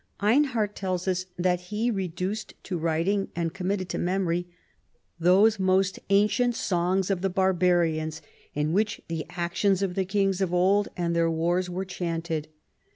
316 CHARLEMAGNE. Einhard tells us that he reduced to writing and com mitted to memory " those most ancient songs of the barbarians in which the actions of the kings of old and their wars were chanted."